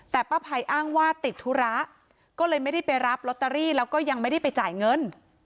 แต่ป้าภัยอ้างว่าติดธุระก็เลยไม่ได้ไปรับลอตเตอรี่แล้วก็ยังไม่ได้ไปจ่ายเงิน